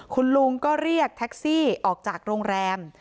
คุณลุงก็เรียกแท็กซี่ออกจากโรงแรม